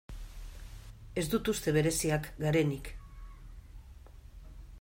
Ez dut uste bereziak garenik.